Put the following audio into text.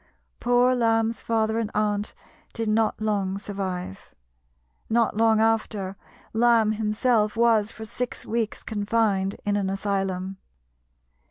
Poor Lamb's father and aunt did not long survive. Not long after, Lamb himself was for six weeks confined in an asylum.